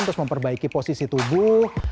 terus memperbaiki posisi tubuh